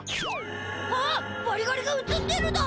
あっバリガリがうつってるだ！